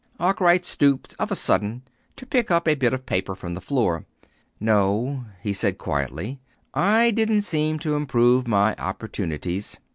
Arkwright stooped, of a sudden, to pick up a bit of paper from the floor. "No," he said quietly. "I didn't seem to improve my opportunities."